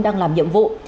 đang làm nhiệm vụ